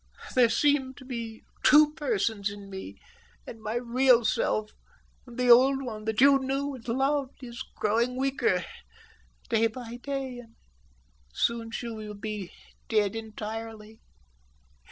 There seem to be two persons in me, and my real self, the old one that you knew and loved, is growing weaker day by day, and soon she will be dead entirely.